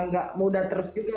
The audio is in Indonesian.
gak mudah terus juga